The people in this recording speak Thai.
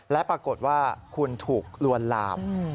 และปรากฏว่าคุณถูกลวนลาม